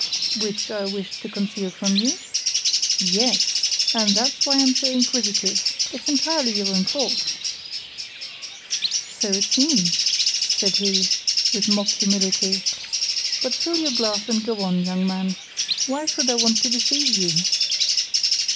"Which I wished to conceal from you?" "Yes, and that's why I'm so inquisitive; it's entirely your own fault." "So it seems," said he, with mock humility; "but fill your glass and go on, young man. Why should I want to deceive you?"